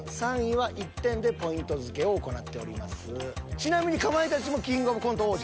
ちなみにかまいたちもキングオブコント王者？